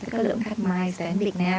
có lượng khách mice đến việt nam